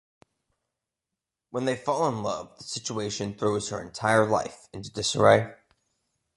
When they fall in love, the situation throws her entire life into disarray.